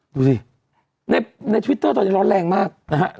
ดูสิในทวิตเตอร์ตอนนี้ร้อนแรงมากนะฮะ